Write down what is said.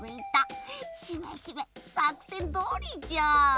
しめしめさくせんどおりじゃーん。